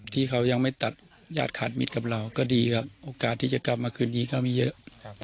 ที่เขายังไม่ตัดญาติขาดมิตรกับเราก็ดีครับโอกาสที่จะกลับมาคืนนี้ก็มีเยอะ